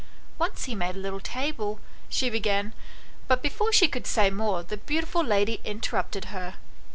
Once he made a little table," she began, but before she could say more the beautiful lady interrupted her.